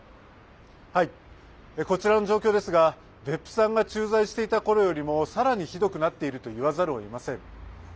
こちらの状況ですが別府さんが駐在していたころよりさらにひどくなっていると言わざるをえません。